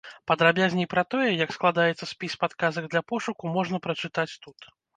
Падрабязней пра тое, як складаецца спіс падказак для пошуку, можна прачытаць тут.